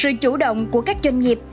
sự chủ động của các doanh nghiệp